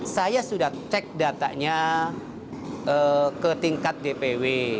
saya sudah cek datanya ke tingkat dpw